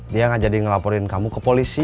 dia gak jadi ngelaporin kamu ke polisi